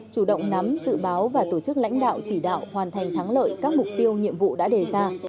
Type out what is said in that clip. chủ động nắm dự báo và tổ chức lãnh đạo chỉ đạo hoàn thành thắng lợi các mục tiêu nhiệm vụ đã đề ra